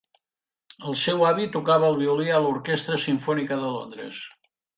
El seu avi tocava el violí a l'Orquestra Simfònica de Londres.